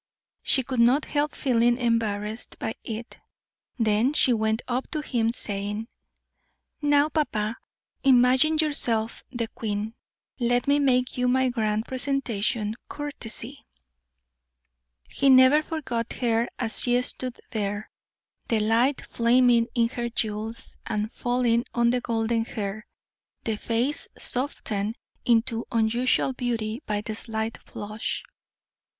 She could not help feeling embarrassed by it. Then she went up to him, saying: "Now, papa, imagine yourself the queen; let me make you my grand presentation courtesy." He never forgot her as she stood there, the light flaming in her jewels and falling on the golden hair, the face softened into unusual beauty by the slight flush.